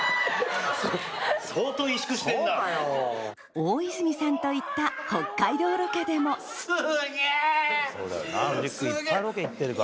大泉さんと行った北海道ロケでもすげぇ。